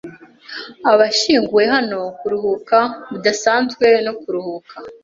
Abashyinguwe hano kuruhuka bidasanzwe no kuruhuka